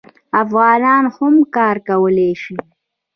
افغانان هم کار کولی شي.